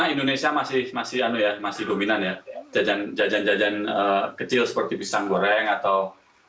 indonesia masih masih dominan ya jajan jajan jajan kecil seperti pisang goreng atau